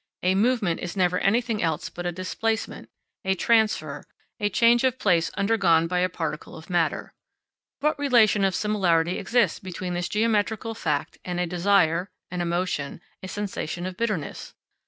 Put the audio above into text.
A movement is never anything else but a displacement, a transfer, a change of place undergone by a particle of matter. What relation of similarity exists between this geometrical fact and a desire, an emotion, a sensation of bitterness?